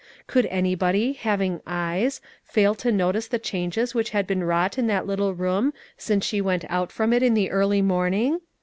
Could anybody, having eyes, fail to notice the changes which had been wrought in that little room since she went out from it in the early morning?